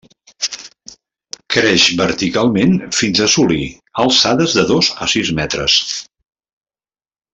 Creix verticalment fins a assolir alçades de dos a sis metres.